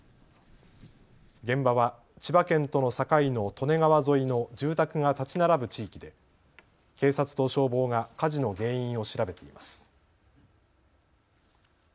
現場は千葉県との境の利根川沿いの住宅が建ち並ぶ地域で警察と消防が火事の原因を調べています。